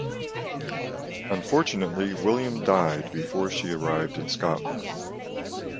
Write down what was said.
Unfortunately, William died before she arrived in Scotland.